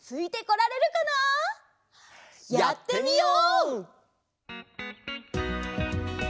やってみよう！